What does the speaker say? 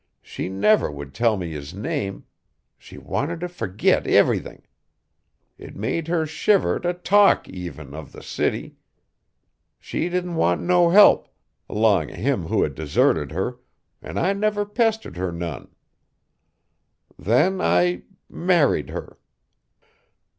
She never would tell me his name. She wanted t' forgit everythin'. It made her shiver t' talk, even, of the city. She didn't want no help 'long o' him who had deserted her, an' I never pestered her none. Then I married her.